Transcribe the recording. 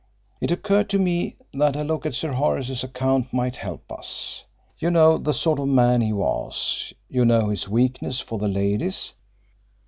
It occurred to me that a look at Sir Horace's account might help us. You know the sort of man he was you know his weakness for the ladies.